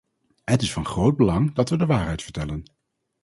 Het is van groot belang dat we de waarheid vertellen.